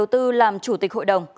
đầu tư làm chủ tịch hội đồng